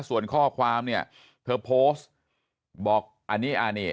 ส่วนข้อความเนี่ยเธอโพสต์บอกอันนี้อันนี้